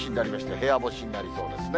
部屋干しになりそうですね。